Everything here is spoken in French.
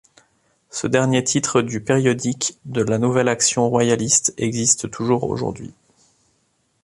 Ce dernier titre du périodique de la Nouvelle Action royaliste existe toujours aujourd'hui.